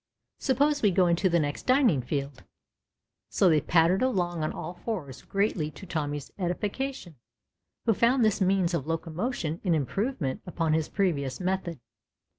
Suppose we go into the next dining field ? So they pattered along on all fours greatly to Tommy's edification, who found this means of locomotion an improvement upon his previous method.